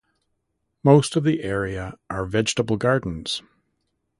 Most of the area are vegetable gardens.